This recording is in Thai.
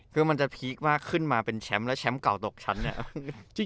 แล้วพี่ว่าขึ้นมาเป็นแชมป์แล้วแชมป์เก่าตกชั้นเนี่ย